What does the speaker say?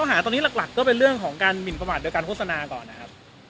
หาตอนนี้หลักก็เป็นเรื่องของการหมินประมาทโดยการโฆษณาก่อนนะครับ